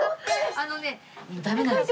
あのねダメなんです。